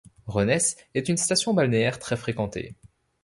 Renesse est une station balnéaire très fréquentée.